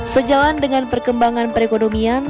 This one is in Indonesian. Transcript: sejalan dengan perkembangan perekonomian